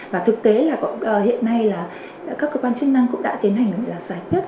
và thực tế là hiện nay là các cơ quan chức năng cũng đã tiến hành là giải quyết